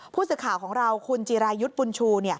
ผู้สื่อข่าวของเราคุณจิรายุทธ์บุญชู